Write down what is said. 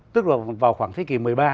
tức là vào khoảng thế kỷ một mươi ba